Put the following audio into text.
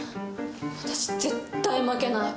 私絶対負けない。